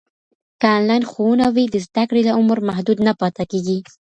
که انلاین ښوونه وي، د زده کړې عمر محدود نه پاته کېږي.